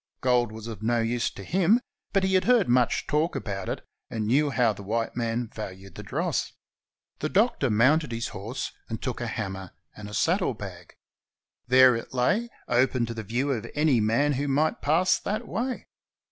Gold was of no use to him, but he had heard much talk about it, and knew how the white men valued the dross. The Doctor mounted his horse and took a hammer and a saddlebag. There it lay, open to the view of any man who might pass that way.